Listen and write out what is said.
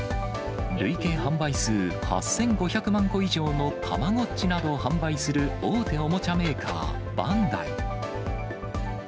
累計販売数８５００万個以上のたまごっちなどを販売する大手おもちゃメーカー、バンダイ。